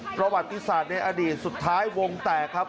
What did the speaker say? ประวัติศาสตร์ในอดีตสุดท้ายวงแตกครับ